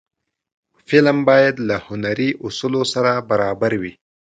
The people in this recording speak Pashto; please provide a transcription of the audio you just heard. فلم باید له هنري اصولو سره برابر وي